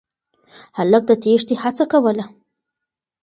هلک د تېښتې هڅه کوله.